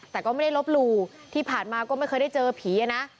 แต่ก็ไม่ได้ลบหลู่ที่ผ่านมาก็ไม่เคยได้เจอผีนะ